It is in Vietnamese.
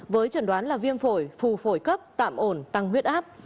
với trần đoán là viêm phổi phù phổi cấp tạm ổn tăng huyết áp